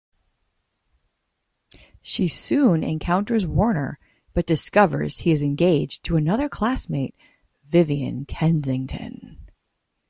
She soon encounters Warner, but discovers he is engaged to another classmate, Vivian Kensington.